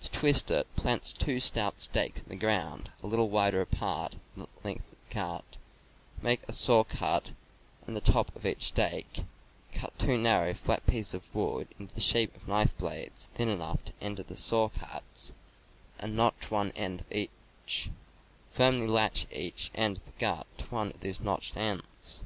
To twist it, plant two stout stakes in the ground, a little wider apart than the length of the gut; make a saw cut in the top of each stake; cut two narrow, flat pieces of wood into the shape of knife blades, thin enough to enter the saw cuts, and notch one end of each; firmly lash each end of the gut to one of these notched ends.